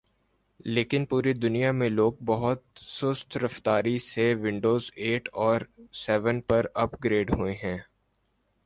لیکن پوری دنیا میں لوگ بہت سست رفتاری سے ونڈوزایٹ اور سیون پر اپ گریڈ ہوہے ہیں